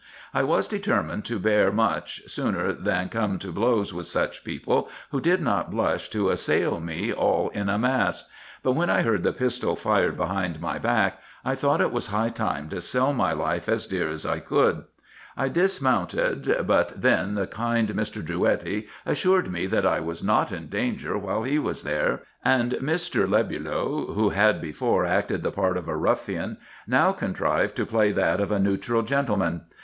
I was determined to bear much, sooner than come to blows with such people, who did not blush to assail me all in a mass ; but when I heard the pistol fired behind my back, I thought it was high time to sell my life as dear as I could. I dis 368 RESEARCHES AND OPERATIONS mounted, but then the kind Mr. Drouetti assured me that I was not in danger while he was there ; and Mr. Lebulo, who had before acted the part of a ruffian, now contrived to play that of a neutral gentle man.